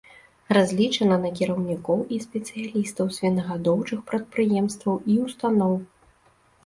Разлічана на кіраўнікоў і спецыялістаў свінагадоўчых прадпрыемстваў і ўстаноў.